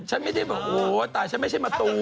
ฉันไม่ได้บอกโอ้ตายฉันไม่ใช่มะตูม